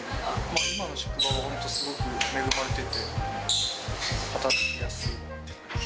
今の職場は本当、すごく恵まれてて、働きやすいって感じです。